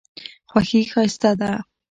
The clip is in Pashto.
خوښي ښایسته ده.